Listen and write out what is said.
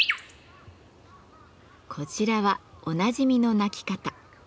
こちらはおなじみの鳴き方。